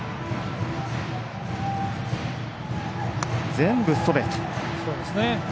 全部、ストレート。